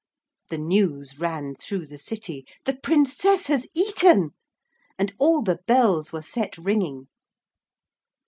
The news ran through the city, 'The Princess has eaten,' and all the bells were set ringing.